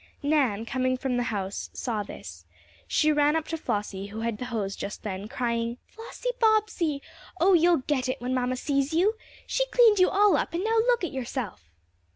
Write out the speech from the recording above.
Nan, coming from the house saw this. She ran up to Flossie, who had the hose just then, crying: "Flossie Bobbsey! Oh, you'll get it when mamma sees you! She cleaned you all up and now look at yourself!"